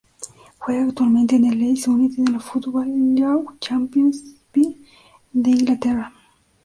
Juega actualmente en el Leeds United de la Football League Championship de Inglaterra.